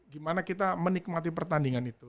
gimana kita menikmati pertandingan itu